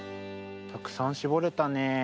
たくさんしぼれたね。